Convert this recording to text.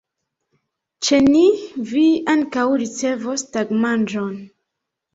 Ĉe ni vi ankaŭ ricevos tagmanĝon.